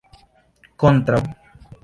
kontraŭ